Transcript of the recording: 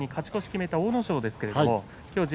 勝ち越しを決めた阿武咲です。